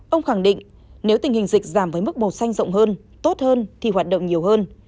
ông khẳng định nếu tình hình dịch giảm với mức màu xanh rộng hơn tốt hơn thì hoạt động nhiều hơn